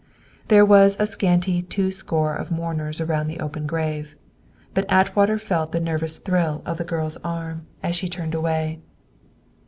There was a scanty two score of mourners around the open grave; but Atwater felt the nervous thrill of the girl's arm as she turned away.